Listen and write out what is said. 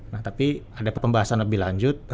nah tapi ada pembahasan lebih lanjut